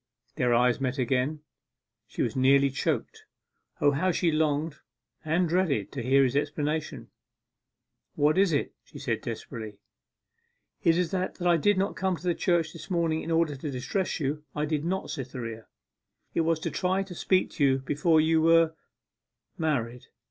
Their eyes met again. She was nearly choked. O, how she longed and dreaded to hear his explanation! 'What is it?' she said desperately. 'It is that I did not come to the church this morning in order to distress you: I did not, Cytherea. It was to try to speak to you before you were married.